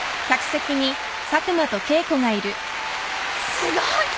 すごい！